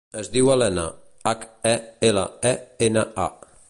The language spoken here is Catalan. Es diu Helena: hac, e, ela, e, ena, a.